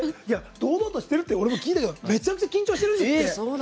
堂々としてるって僕も思ったけどめちゃくちゃ緊張してるんですって。